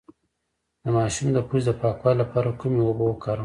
د ماشوم د پوزې د پاکوالي لپاره کومې اوبه وکاروم؟